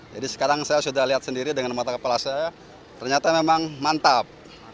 jadi sekarang saya sudah lihat sendiri dengan mata kepala saya ternyata memang mantap